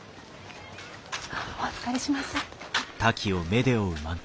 お預かりします。